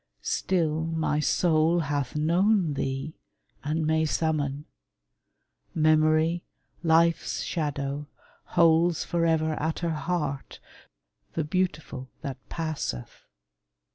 Still my soul Hath known thee, and may summon: Memory, Life's shadow, holds forever at her heart The beautiful that passeth.